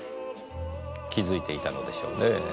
気づいていたのでしょうねぇ。